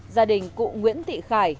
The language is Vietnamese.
gia đình cụ nguyễn thị khải